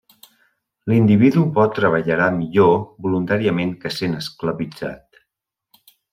L'individu bo treballarà millor voluntàriament que sent esclavitzat.